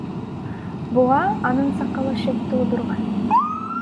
Буга анын сакалы шек туудурган.